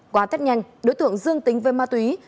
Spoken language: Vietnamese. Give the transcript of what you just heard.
qua tết nhanh đối tượng dương tính với ma túy